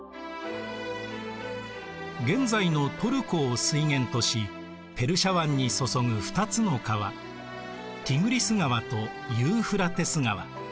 現在のトルコを水源としペルシャ湾に注ぐ２つの川ティグリス川とユーフラテス川。